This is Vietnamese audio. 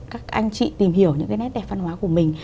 các anh chị tìm hiểu những cái nét đẹp văn hóa của mình